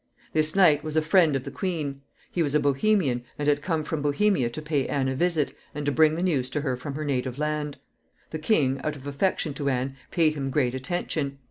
This knight was a friend of the queen. He was a Bohemian, and had come from Bohemia to pay Anne a visit, and to bring the news to her from her native land. The king, out of affection to Anne, paid him great attention.